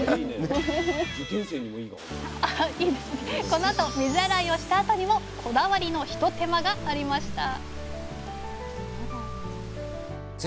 このあと水洗いをした後にもこだわりのひと手間がありました